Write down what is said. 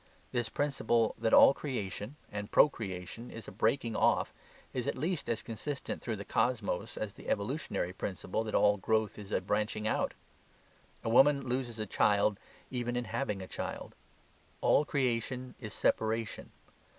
This principle that all creation and procreation is a breaking off is at least as consistent through the cosmos as the evolutionary principle that all growth is a branching out. A woman loses a child even in having a child. All creation is separation.